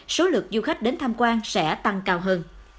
số lượng du khách đến tham quan sẽ tăng cao hơn